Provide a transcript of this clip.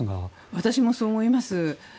私もそう思います。